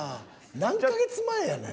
何か月前やねん。